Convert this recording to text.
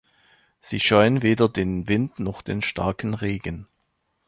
Sie scheuen weder den Wind noch den starken Regen.